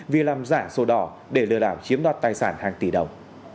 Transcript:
vì làm giả sổ đỏ để lừa đảo chiếm đoạt tài sản hàng tỷ đồng